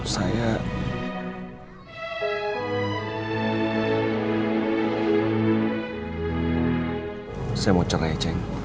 saya mau cerai ceng